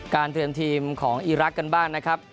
เตรียมทีมของอีรักษ์กันบ้างนะครับ